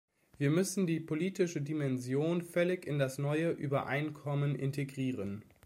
Wir müssen die politische Dimension völlig in das neue Übereinkommen integrieren.